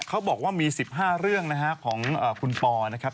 เขาบอกว่ามี๑๕เรื่องของขึ้นนะครับ